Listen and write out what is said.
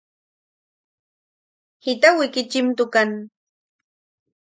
¿Jita wikichimtukan?